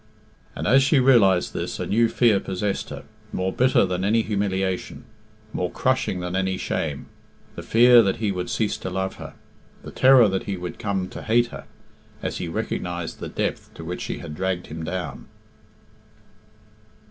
And as she realised this a new fear possessed her, more bitter than any humiliation, more crushing than any shame the fear that he would cease to love her, the terror that he would come to hate her, as he recognised the depth to which she had dragged him down.